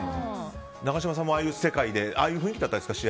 永島さんも、ああいう世界でああいうふうだったんですか。